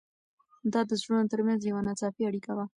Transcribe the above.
دا د زړونو تر منځ یوه ناڅاپي اړیکه وه.